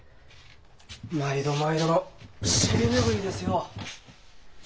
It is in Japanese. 毎度毎度の尻拭いですよ。